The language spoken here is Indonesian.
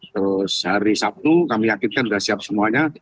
terus hari sabtu kami yakin kita sudah siap semuanya